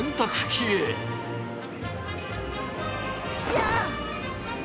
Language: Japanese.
いや！